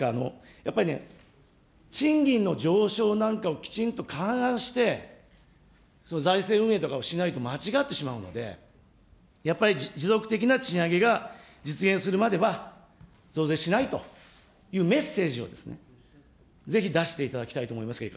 やっぱりね、賃金の上昇なんかをきちんと勘案して、その財政運営とかをしないと間違ってしまうので、やっぱり、持続的な賃上げが実現するまでは、増税しないというメッセージをぜひ出していただきたいと思います